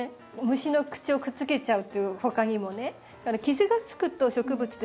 虫の口をくっつけちゃうっていうほかにもね傷がつくと植物って